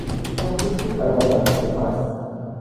ფეხბურთი ყველა ბავშვს უყვარს